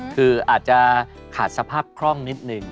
คืออาจจะขาดสภาพคล่องนิดนึง